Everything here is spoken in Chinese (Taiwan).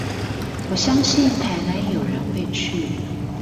我相信台南有人會去